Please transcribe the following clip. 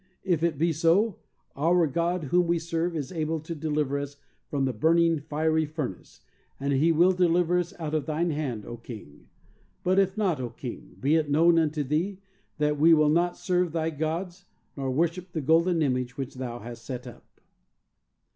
If it be so, our God whom we serve is able to de liver us from the burning fiery furnace, and He will deliver us out of thine hand, O king; but if not, O. king, be it known unto thee that we will not serve thy gods nor worship the golden image which thou hast set up."